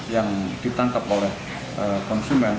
yang ditangkap oleh konsumen